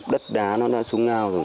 đất đá nó đã xuống ao rồi